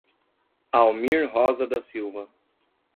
Almir Rosa da Silva